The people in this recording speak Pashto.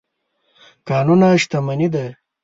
کانونه شتمني ده.